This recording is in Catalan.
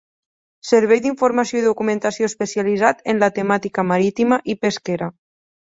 Servei d’informació i documentació especialitzat en la temàtica marítima i pesquera.